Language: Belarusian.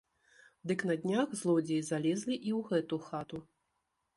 Дык на днях злодзеі залезлі і ў гэту хату.